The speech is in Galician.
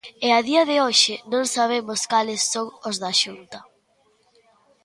E a día de hoxe non sabemos cales son os da Xunta.